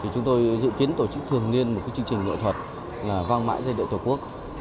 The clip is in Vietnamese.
chúng tôi dự kiến tổ chức thường niên một chương trình nghệ thuật là vang mãi giai điệu tổ quốc